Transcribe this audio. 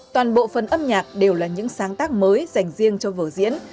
toàn bộ phần âm nhạc đều là những sáng tác mới dành riêng cho vở diễn